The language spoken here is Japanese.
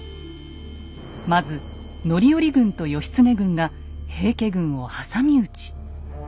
まず範頼軍と義経軍が平家軍を挟み撃ち。